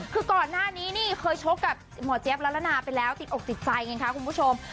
คือก่อนหน้านี้นี่เคยชกกับหมอเจี๊ยบละละนาไปแล้วติดอกติดใจไงคะคุณผู้ชม